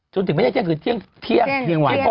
จนถึงไม่ใช่เที่ยงคืนเที่ยงวัน